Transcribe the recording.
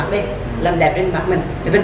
thì đều cần bên anh sử dụng